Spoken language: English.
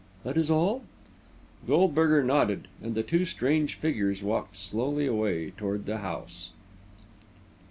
That is all?" Goldberger nodded, and the two strange figures walked slowly away toward the house.